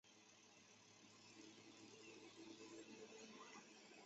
官至左副都御史巡抚江西。